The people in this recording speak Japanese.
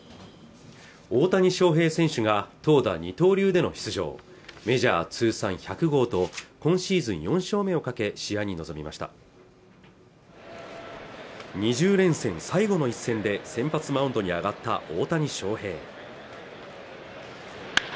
大谷翔平選手が投打二刀流での出場メジャー通算１００号と今シーズン４勝目をかけ試合に臨みました２０連戦最後の一戦で先発マウンドに上がった大谷翔平